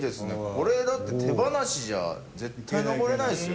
これだって手放しじゃ絶対上れないですよ。